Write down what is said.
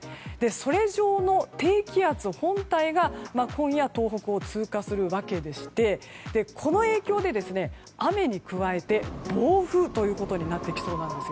それ上の低気圧本体が今夜、東北を通過するわけでしてこの影響で、雨に加えて暴風になってきそうです。